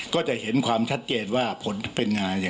ก็จะเห็นความชัดเจนว่าผลเป็นงาน